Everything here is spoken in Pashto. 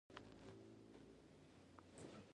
دښمن د کور دننه دښمني کوي